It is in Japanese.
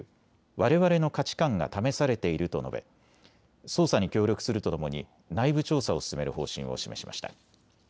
われわれの価値観が試されていると述べ捜査に協力するとともに内部調査を進める方針を示しました。